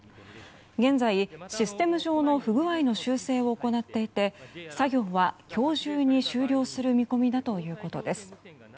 現在、システム上の不具合の修正を行っていて作業は今日中に終了する見込みだということです。